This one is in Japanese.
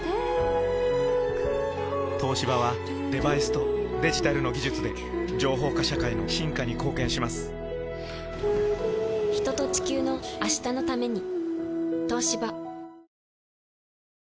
東芝はデバイスとデジタルの技術で情報化社会の進化に貢献します人と、地球の、明日のために。